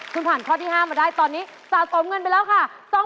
คุณผ่านข้อที่๕มาได้ตอนนี้สะสมเงินไปแล้วค่ะ